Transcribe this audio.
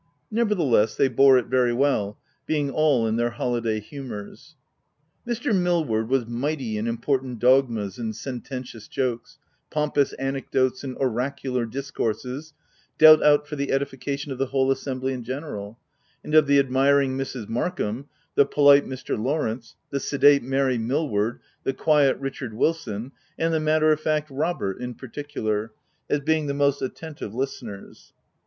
Nevertheless, they bore it very well, being all in their holiday humours. Mr. Millward was mighty in important dog mas and sententious jokes, pompous anecdotes and oracular discourses, dealt out for the edifica tion of the whole assembly in general, and of the admiring Mrs. Markham, the polite Mr. Lawrence, the sedate Mary Millward, the quiet Richard Wilson, and the matter of fact Robert, in particular, — as being the most attentive listeners.